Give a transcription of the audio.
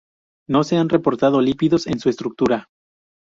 No se han reportado lípidos en su estructura.